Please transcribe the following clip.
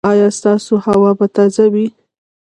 ایا ستاسو هوا به تازه وي؟